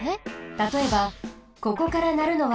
たとえばここからなるのは。